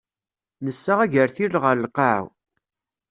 Nessa agertil ɣer lqaɛa.